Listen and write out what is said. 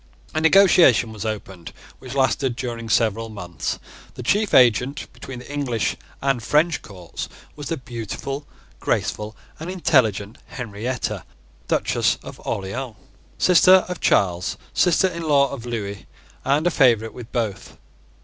A negotiation was opened which lasted during several months. The chief agent between the English and French courts was the beautiful, graceful, and intelligent Henrietta, Duchess of Orleans, sister of Charles, sister in law of Lewis, and a favourite with both.